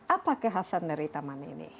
apa kekhasan dari taman ini